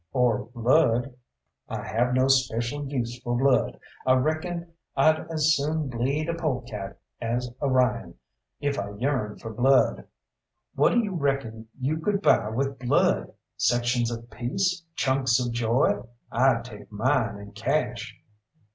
"Or blood!" "I have no speshul use fo' blood. I reckon I'd as soon bleed a polecat as a Ryan, if I yearned for blood. What d'you reckon you could buy with blood sections of peace, chunks of joy? I'd take mine in cash."